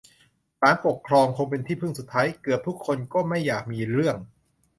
ศาลปกครองคงเป็นที่พึ่งสุดท้าย เกือบทุกคนก็ไม่อยากมีเรื่อง